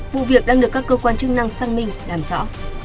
vụ việc đang được các cơ quan chức năng xác minh làm rõ